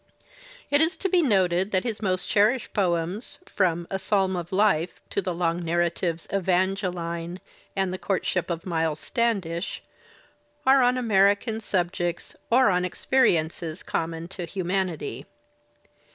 It is to be noted that his most cherished poems, from ^'A PsaJm of Life" to the long narratives, "Evangeline" and "The Courtship of Miles Standish," are on American sub jects or on experiences common to humanity.